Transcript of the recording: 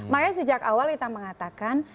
makanya sejak awal kita mengatakan